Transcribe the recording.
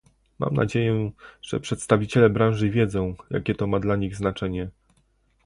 Mam nadzieję, że przedstawiciele branży wiedzą, jakie to ma dla nich znaczenie